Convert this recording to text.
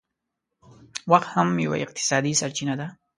وخت هم یو اقتصادي سرچینه ده